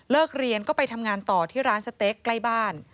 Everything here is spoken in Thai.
เรียนก็ไปทำงานต่อที่ร้านสเต๊กใกล้บ้าน